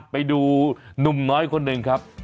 ไปดูหนุ่มน้อยคนหนึ่งครับ